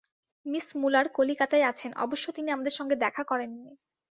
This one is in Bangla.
মিস মূলার কলিকাতায় আছেন, অবশ্য তিনি আমাদের সঙ্গে দেখা করেননি।